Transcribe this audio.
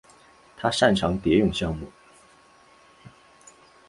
他擅长蝶泳项目。